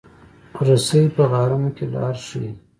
رسۍ په غارونو کې لار ښيي.